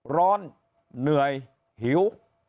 ร้อนเหนื่อยหิว